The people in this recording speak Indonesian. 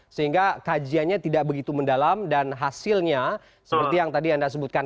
sehingga kajiannya tidak begitu mendalam dan hasilnya seperti yang tadi anda sebutkan